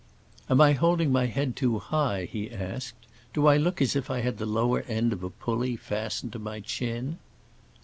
"Am I holding my head too high?" he asked. "Do I look as if I had the lower end of a pulley fastened to my chin?"